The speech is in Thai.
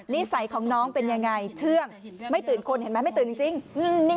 นิสัยของน้องเป็นยังไงเชื่องไม่ตื่นคนเห็นไหมไม่ตื่นจริงนิ่ง